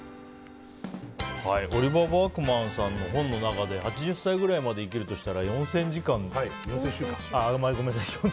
オリバー・バークマンさんの本の中で８０歳ぐらいまで生きるとしたら４０００週間。